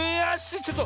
ちょっと。